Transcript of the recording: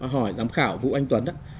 hỏi giám khảo vũ anh tuấn